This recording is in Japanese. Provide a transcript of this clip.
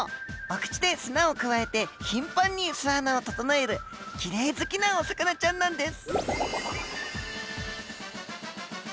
お口で砂をくわえて頻繁に巣穴をととのえるきれい好きなお魚ちゃんなんです。